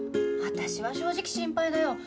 私は正直心配だよ。